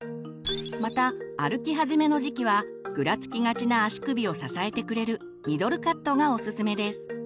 また歩き始めの時期はぐらつきがちな足首を支えてくれる「ミドルカット」がおすすめです。